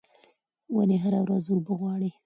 ونې هره ورځ اوبه غواړي.